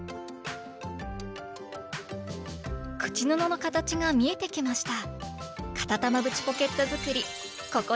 口布の形が見えてきました！